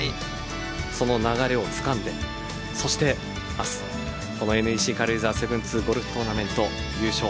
その流れをつかんでそして明日ＮＥＣ軽井沢７２ゴルフトーナメント優勝